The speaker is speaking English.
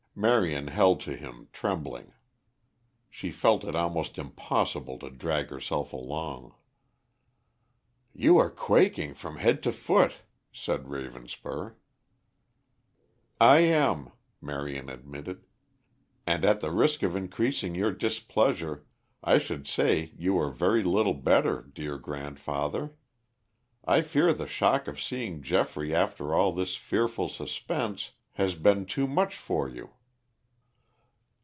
Marion held to him trembling. She felt it almost impossible to drag herself along. "You are quaking from head to foot," said Ravenspur. "I am," Marion admitted. "And at the risk of increasing your displeasure I should say you are very little better, dear grandfather. I fear the shock of seeing Geoffrey after all this fearful suspense has been too much for you."